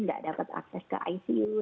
nggak dapat akses ke icu